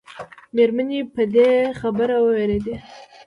مېرمنې په دې خبره ووېرېدې او غږونه یې وکړل.